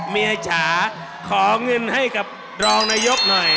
เมียจ๋าขอเงินให้กับรองนายกหน่อย